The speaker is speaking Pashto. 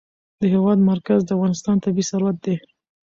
د هېواد مرکز د افغانستان طبعي ثروت دی.